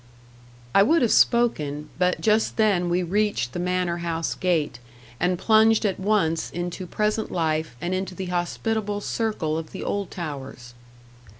I would have spoken; but just then we reached the manor house gate, and plunged at once into present life, and into the hospitable circle of the Oldtowers.